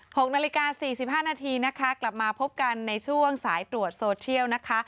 หกนาฬิกาสี่สิบห้านาทีนะคะกลับมาพบกันในช่วงสายตรวจโซเชียลนะคะ